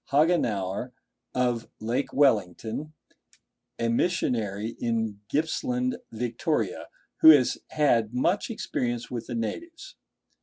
Hagenauer, of Lake Wellington, a missionary in Gippsland, Victoria, who has had much experience with the natives.